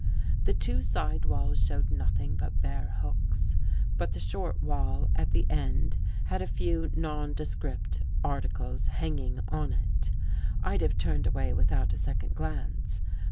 The two side walls showed nothing but bare hooks, but the short wall at the end had a few nondescript articles hanging on it. I'd have turned away without a second glance.